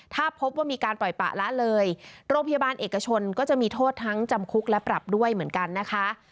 ถ้าพบว่ามีการปล่อยปะละเลยโรงพยาบาลเอกชนก็จะมีโทษทั้งจำคุกและปรับด้วยเหมือนกันนะคะ